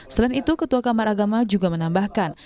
selain itu ketua kamar agama juga menambahkan